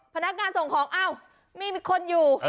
พนักงานส่งของอ้าวมีคนอยู่